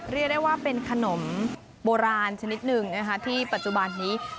เรียกได้ว่าเป็นขนมโบราณชนิดหนึ่งนะคะที่ปัจจุบันนี้